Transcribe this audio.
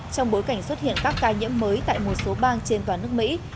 trong bối cảnh xuất hiện các ca nhiễm mới tại một số bang trên toàn nước mỹ